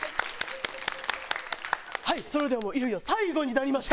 はいそれではもういよいよ最後になりました。